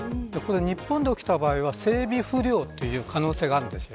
日本で起きた場合は整備不良という可能性があるんです。